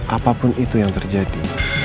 apapun itu yang terjadi